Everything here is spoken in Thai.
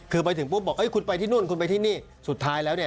คือไปถึงปุ๊บบอกคุณไปที่นู่นคุณไปที่นี่สุดท้ายแล้วเนี่ย